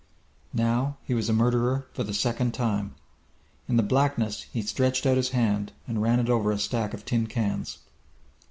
Now he was a murderer for the second time! In the blackness he stretched out his hand, and ran it over a stack of tin cans.